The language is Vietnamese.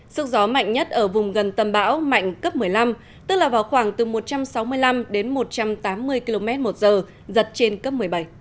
sức gió mạnh nhất ở vùng gần tâm bão mạnh cấp một mươi năm tức là vào khoảng từ một trăm sáu mươi năm đến một trăm tám mươi km một giờ giật trên cấp một mươi bảy